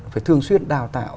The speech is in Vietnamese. phải thường xuyên đào tạo